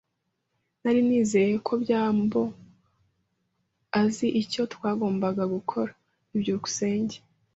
Nari nizeye ko byambo azi icyo twagombaga gukora. byukusenge